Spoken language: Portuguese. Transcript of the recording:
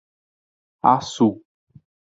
Açu